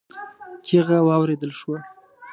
چيغه واورېدل شوه.